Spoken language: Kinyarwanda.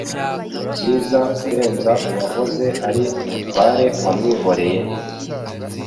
byiza kurenza uwahoze ari umutware wamwihoreye